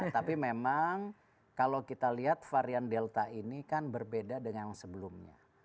tapi memang kalau kita lihat varian delta ini kan berbeda dengan sebelumnya